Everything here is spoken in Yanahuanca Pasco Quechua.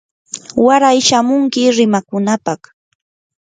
waray shamunki rimakunapaq.